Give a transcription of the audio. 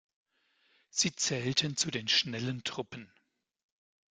Sie zählten zu den Schnellen Truppen.